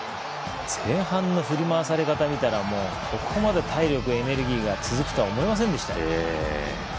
前半の振り回され方を見たらここまでエネルギーが続くとは思いませんでした。